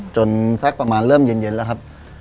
สักประมาณเริ่มเย็นแล้วครับ